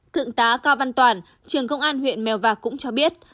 thượng tá cao văn toản trường công an huyện mèo vạc cũng cho biết